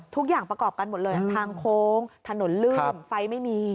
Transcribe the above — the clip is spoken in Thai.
ทุกอย่างประกอบกันหมดเลยทางโค้งถนนลื่นไฟไม่มี